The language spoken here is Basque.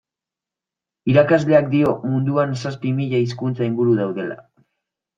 Irakasleak dio munduan zazpi mila hizkuntza inguru daudela.